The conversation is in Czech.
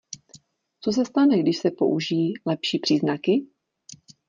Co se stane, když se použijí lepší příznaky?